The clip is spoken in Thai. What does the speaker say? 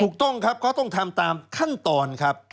ถูกต้องครับเขาต้องทำตามขั้นตอนครับ